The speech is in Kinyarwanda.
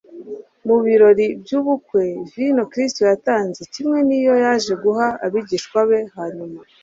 Mu birori by'ubukwe, vino Kristo yatanze kimwe n'iyo yaje guha abigishwa be hanyuma,